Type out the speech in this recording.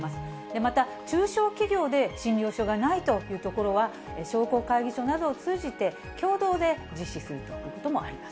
また、中小企業で診療所がないというところは、商工会議所などを通じて、共同で実施するということもあります。